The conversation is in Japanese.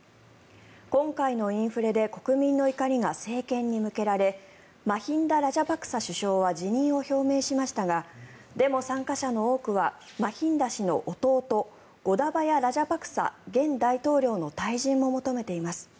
今回のインフレで国民の怒りが政権に向けられマヒンダ・ラジャパクサ首相は辞任を表明しましたがデモ参加者の多くはマヒンダ氏の弟ゴダバヤ・ラジャパクサ現大統領の退陣も求めています。